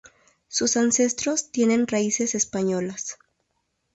Sus ancestros tienen raíces españolas.